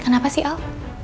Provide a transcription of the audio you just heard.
kenapa sih al